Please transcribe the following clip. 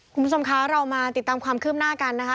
คุณผู้ชมคะเรามาติดตามความคืบหน้ากันนะคะ